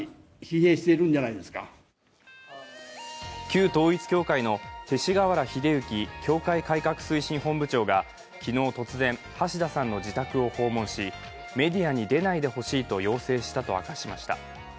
旧統一教会の勅使河原秀行教会改革推進本部長が昨日、突然、橋田さんの自宅を訪問しメディアに出ないでほしいと要請したと明かしました。